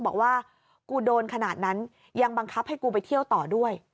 บอกว่ากูโดนขนาดนั้นยังบังคับให้กูไปเที่ยวต่อด้วย